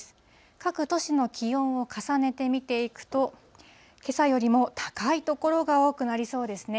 各都市の気温を重ねて見ていくと、けさよりも高い所が多くなりそうですね。